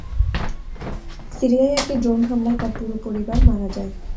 সিরিয়ায় একটি ড্রোন হামলায় তার পুরো পরিবার মারা যায়।